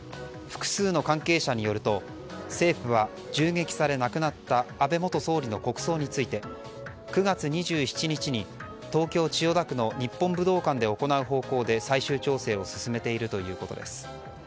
複数の関係者によると政府は銃撃され亡くなった安倍元総理の国葬について９月２７日に東京・千代田区の日本武道館で行う方向で最終調整を進めているということです。